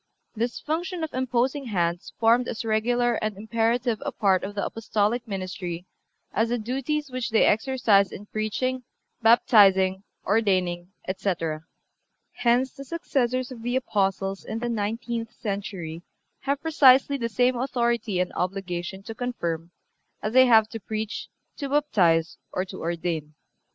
This function of imposing hands formed as regular and imperative a part of the Apostolic ministry as the duties which they exercised in preaching, baptizing, ordaining, etc. Hence the successors of the Apostles in the nineteenth century have precisely the same authority and obligation to confirm as they have to preach, to baptize or to ordain.